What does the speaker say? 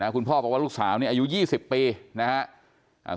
คุณพ่อบอกว่าลูกสาวนี่อายุ๒๐ปีนะครับ